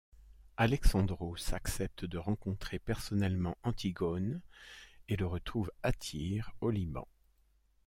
Alexandros accepte de rencontrer personnellement Antigone et le retrouve à Tyr au Liban.